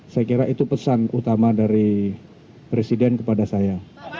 saya kira itu pesan utama dari presiden kepada saya